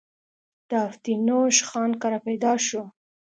د افتينوش خان کره پيدا شو